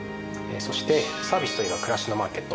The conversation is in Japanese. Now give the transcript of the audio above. そして「サービスといえばくらしのマーケット」